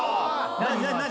何？